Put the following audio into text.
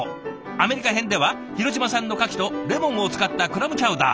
アメリカ編では広島産の牡蠣とレモンを使ったクラムチャウダー。